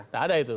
tidak ada itu